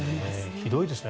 ひどいですね。